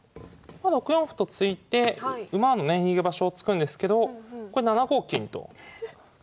まあ６四歩と突いて馬のね逃げ場所を突くんですけどこれ７五金と初志貫徹。